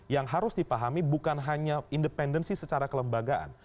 yang harus dipahami bukan hanya independensi secara kelembagaan